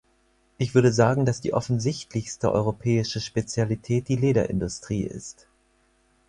Ich würde sagen, dass die offensichtlichste europäische Spezialität die Lederindustrie ist.